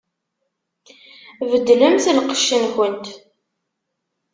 Beddlemt lqecc-nkent!